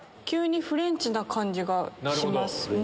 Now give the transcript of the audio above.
急にフレンチな感じがします